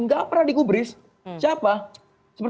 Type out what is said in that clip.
tidak pernah di gubris siapa